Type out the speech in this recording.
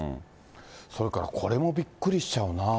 それからこれもびっくりしちゃうな。